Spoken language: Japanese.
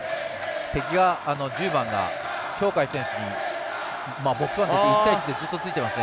敵、１０番が鳥海選手にボックスワンで１対１でずっとついてますね。